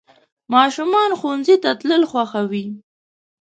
ماشومان ښوونځي ته تلل خوښوي.